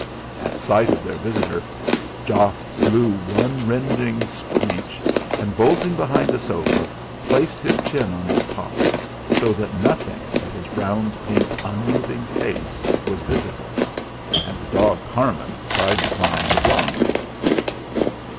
At sight of their visitor Jock blew one rending screech, and bolting behind the sofa, placed his chin on its top, so that nothing but his round pink unmoving face was visible; and the dog Carmen tried to climb the blind cord.